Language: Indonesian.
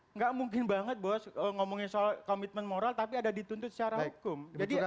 nggak mungkin banget bos ngomongin soal komitmen moral tapi ada dituntut secara hukum